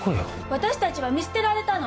私たちは見捨てられたの！